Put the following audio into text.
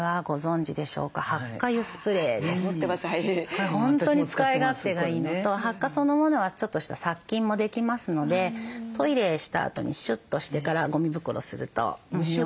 これ本当に使い勝手がいいのとハッカそのものはちょっとした殺菌もできますのでトイレしたあとにシュッとしてからごみ袋すると。